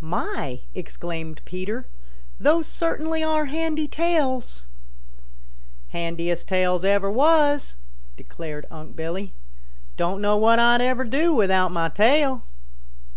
"My!" exclaimed Peter. "Those certainly are handy tails." "Handiest tails ever was," declared Unc' Billy. "Don't know what Ah ever would do without mah tail."